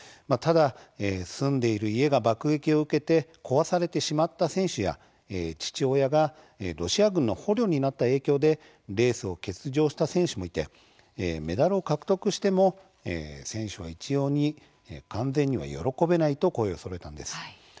ただ、住んでいる家が爆撃を受けて壊されてしまった選手や父親がロシア軍の捕虜になった影響でレースを欠場した選手もいてメダルを獲得しても選手は一様に「完全には喜べない」と声をそろえたんです。